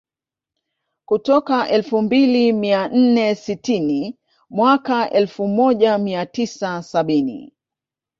kutoka elfu mbili mia nne sitini mwaka elfu moja mia tisa sabini